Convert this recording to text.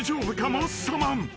マッサマン］